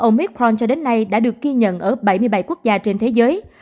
omitron cho đến nay đã được ghi nhận ở bảy mươi bảy quốc gia trên thế giới